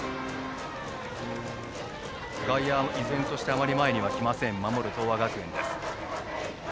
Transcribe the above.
外野は依然として、あまり前にはきません守る東亜学園。